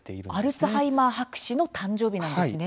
アルツハイマー博士の誕生日なんですね。